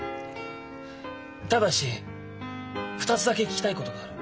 ただし２つだけ聞きたいことがある。